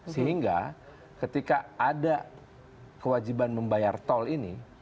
sehingga ketika ada kewajiban membayar tol ini